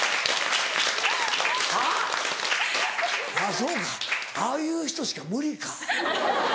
はっ⁉あっそうかああいう人しか無理か。